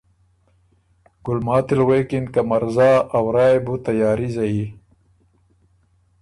ګلماتي ل غوېکِن که ” مرزا ا ورا يې بُو تیاري زيي،